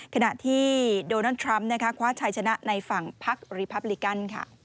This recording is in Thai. ขณะที่โดนัลด์ทรัมป์คว้าชัยชนะในฝั่งพักรีพับลิกัน